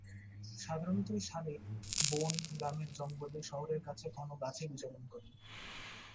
সাধারণত এই শালিক বন, গ্রামের জঙ্গলে, শহরের কাছে ঘন গাছে বিচরণ করে।